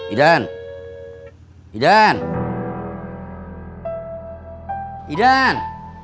idan idan idan